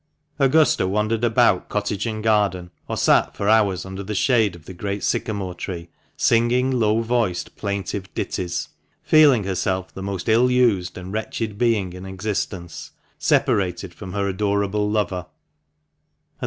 Augusta wandered about cottage and garden, or sat for hours under the shade of the great sycamore tree, singing low voiced plaintive ditties ; feeling herself the most ill used and wretched being in existence, separated from her adorable lover ; and the 334 THE MANCHESTER MAN.